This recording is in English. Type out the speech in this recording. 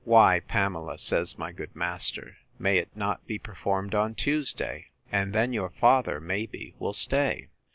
Why, Pamela, says my good master, may it not be performed on Tuesday? And then your father, maybe, will stay.